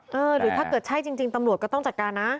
หรือถ้าเกิดใช่จริงตำรวจก็ต้องจัดการนะ